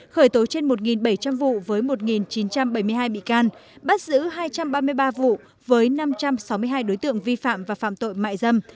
khởi tố trên một bảy trăm linh vụ với một chín trăm bảy mươi hai bị can bắt giữ hai trăm ba mươi ba vụ với năm trăm sáu mươi hai đối tượng vi phạm và phạm tội mại dâm